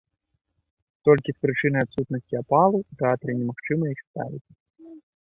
Толькі з прычыны адсутнасці апалу ў тэатры немагчыма іх ставіць.